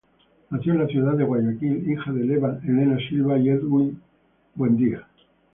Nació en la ciudad de Guayaquil, hija de Elena Silva y Erwin Buendía.